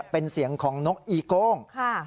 เป็นเสียงของนกอีโก้ง